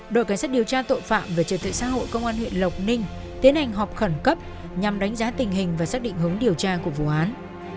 đội cảnh sát điều tra tội phạm về trật tự xã hội công an huyện lộc ninh tiến hành họp khẩn cấp nhằm đánh giá tình hình và xác định hướng điều tra của vụ án